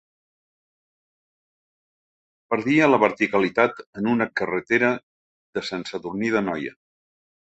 Perdia la verticalitat en una carretera de Sant Sadurní d'Anoia.